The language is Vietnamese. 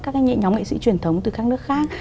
các nhóm nghệ sĩ truyền thống từ các nước khác